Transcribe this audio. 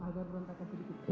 agak berantakan sedikit